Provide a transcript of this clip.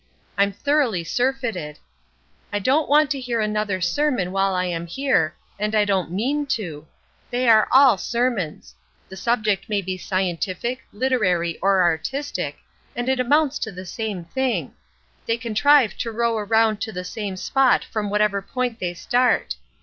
I'm thoroughly surfeited. I don't want to hear another sermon while I am here, and I don't mean to. They are all sermons. The subject may be scientific, literary or artistic, and it amounts to the same thing; they contrive to row around to the same spot from whatever point they start.